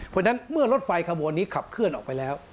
เพราะฉะนั้นเมื่อรถไฟขบวนนี้ขับเคลื่อนออกไปแล้ว